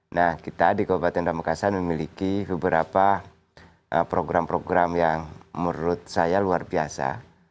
nah kita di kabupaten pamekasan memiliki beberapa program program yang menurut saya luar biasa